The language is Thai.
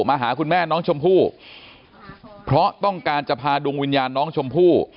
มาหาคุณแม่น้องชมพู่เพราะต้องการจะพาดวงวิญญาณน้องชมพู่